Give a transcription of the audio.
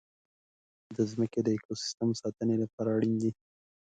ځنګلونه د ځمکې د اکوسیستم ساتنې لپاره اړین دي.